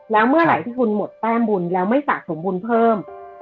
แล้วเมื่อไหร่ที่คุณหมดแต้มบุญแล้วไม่สะสมบุญเพิ่ม